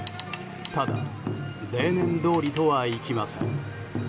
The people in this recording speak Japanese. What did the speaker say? ただ、例年どおりとはいきません。